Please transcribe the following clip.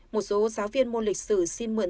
một số giáo viên môn lịch sử xin mượn